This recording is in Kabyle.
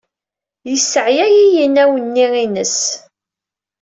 Yesseɛya-yi yinaw-nni-ines.